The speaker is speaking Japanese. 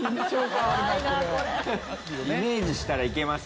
イメージしたら行けます。